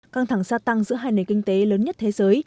căng thẳng gia tăng giữa hai nền kinh tế lớn nhất thế giới